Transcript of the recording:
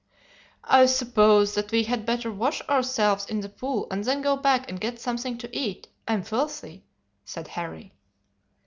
"'I suppose that we had better wash ourselves in the pool, and then go back and get something to eat. I am filthy,' said Harry.